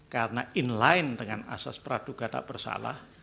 karena in line dengan asas praduga tak bersalah